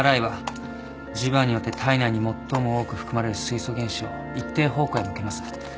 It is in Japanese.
ＭＲＩは磁場によって体内に最も多く含まれる水素原子を一定方向へ向けます。